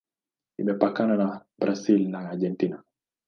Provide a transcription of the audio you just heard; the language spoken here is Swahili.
Imepakana na Brazil na Argentina.